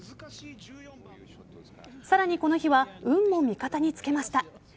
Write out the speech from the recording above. さらに、この日は運も味方につけました。